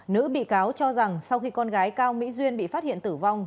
nữ bị cáo cho rằng sau khi con gái cao mỹ duyên bị phát hiện tử vong